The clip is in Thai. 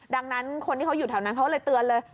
ดังนั้นคนที่เขาอยู่แถวนั้นเขาเลยเตือนเลย